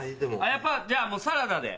やっぱじゃあサラダで！